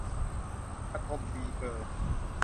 กทมมีเบอร์